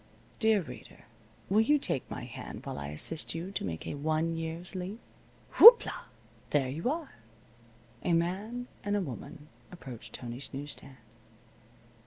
Dear Reader, will you take my hand while I assist you to make a one year's leap. Whoop la! There you are. A man and a woman approached Tony's news stand.